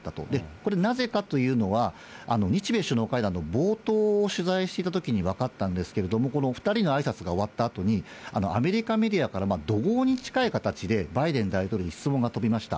これ、なぜかというのは、日米首脳会談の冒頭を取材していたときに分かったんですけれども、この２人のあいさつが終わったあとに、アメリカメディアから怒号に近い形で、バイデン大統領に質問が飛びました。